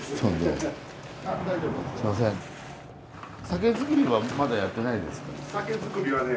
酒造りはまだやってないですかね？